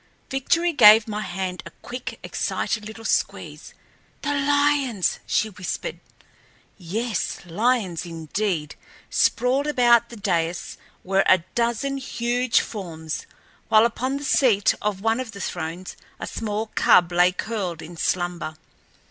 Victory gave my hand a quick, excited little squeeze. "The lions!" she whispered. Yes, lions indeed! Sprawled about the dais were a dozen huge forms, while upon the seat of one of the thrones a small cub lay curled in slumber.